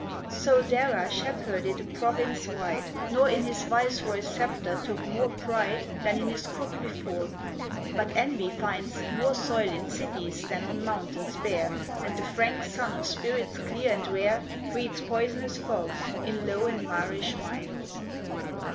So Dara shepherded a province wide, Nor in his viceroy's sceptre took more pride Than in his crook before; but Envy finds More soil in cities than on mountains bare, And the frank sun of spirits clear and rare Breeds poisonous fogs in low and marish minds.